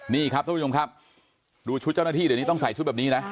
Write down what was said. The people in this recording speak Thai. นี่ครับทุกผู้ชมครับดูชุดเจ้าหน้าที่เดี๋ยวนี้ต้องใส่ชุดแบบนี้นะ